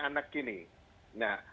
anak ini nah